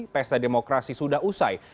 pesta demokrasi sudah usai